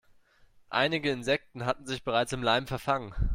Einige Insekten hatten sich bereits im Leim verfangen.